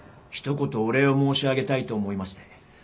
ひと言お礼を申し上げたいと思いまして。